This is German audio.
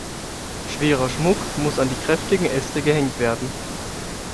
Schwerer Schmuck muss an die kräftigen Äste gehängt werden.